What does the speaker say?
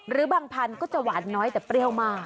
หรือบางพันธุ์ก็จะหวานน้อยแต่เปรี้ยวมาก